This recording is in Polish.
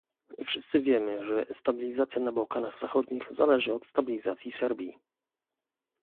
Wszyscy wiemy, że stabilizacja na Bałkanach Zachodnich zależy od stabilizacji Serbii